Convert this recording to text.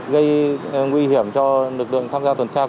gây nguy hiểm cho lực lượng tham gia tuần tra